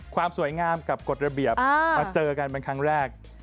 ความสวยงามกับกฎระเบียบมาเจอกันเป็นครั้งแรก